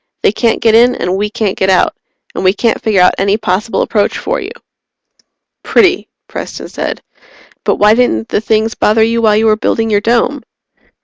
They can't get in and we can't get out and we can't figure out any possible approach for you." "Pretty," Preston said. "But why didn't the things bother you while you were building your Dome?"